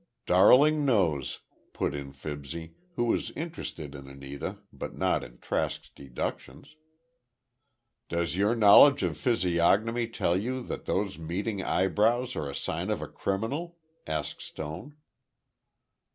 "Darling nose!" put in Fibsy, who was interested in Anita but not in Trask's deductions. "Does your knowledge of physiognomy tell you that those meeting eyebrows are a sign of a criminal?" asked Stone.